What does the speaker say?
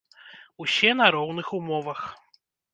Усе на роўных умовах.